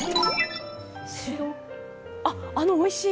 あっ、あのおいしい！